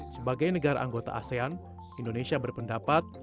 sebagai negara anggota asean indonesia berpendapat